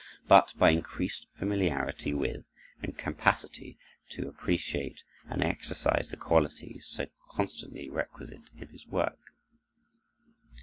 —but by increased familiarity with and capacity to appreciate and exercise the qualities so constantly requisite in his work.